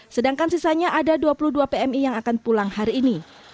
sedangkan sisanya ada dua puluh dua pmi yang akan pulang hari ini